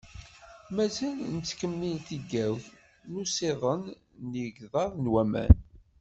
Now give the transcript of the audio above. Mazal tettkemmil tigawt n usiḍen n yigḍaḍ n waman.